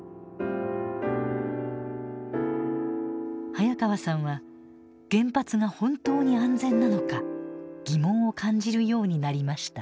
早川さんは原発が本当に安全なのか疑問を感じるようになりました。